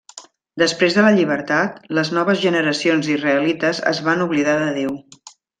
Després de la llibertat, les noves generacions d'israelites es van oblidar de Déu.